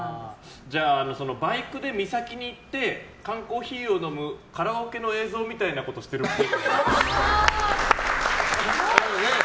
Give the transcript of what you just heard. そのバイクで岬に行って缶コーヒーを飲むカラオケの映像みたいなことしてるっぽい。